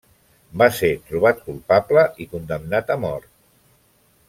Va ser trobat culpable i condemnat a mort.